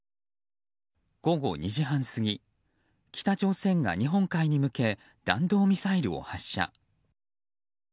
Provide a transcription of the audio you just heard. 午後２時半過ぎ、北朝鮮が日本海に向け弾道ミサイルを発射。